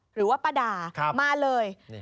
หรือว่าป้าดามาเลย